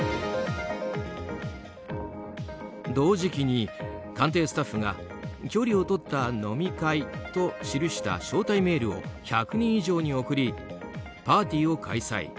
同時期に官邸スタッフが距離を取った飲み会と記した招待メールを１００人以上に送りパーティーを開催。